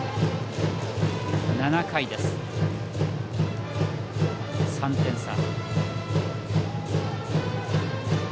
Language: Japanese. ７回です、３点差。